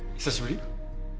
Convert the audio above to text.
久しぶり？